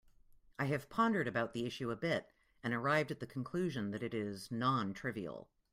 I have pondered about the issue a bit and arrived at the conclusion that it is non-trivial.